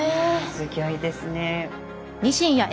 すギョいですね。